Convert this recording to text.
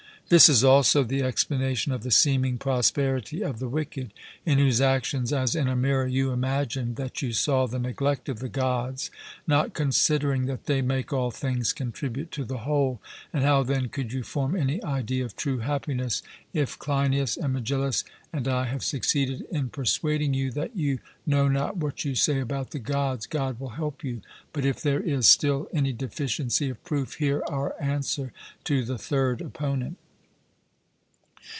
This is also the explanation of the seeming prosperity of the wicked, in whose actions as in a mirror you imagined that you saw the neglect of the Gods, not considering that they make all things contribute to the whole. And how then could you form any idea of true happiness? If Cleinias and Megillus and I have succeeded in persuading you that you know not what you say about the Gods, God will help you; but if there is still any deficiency of proof, hear our answer to the third opponent.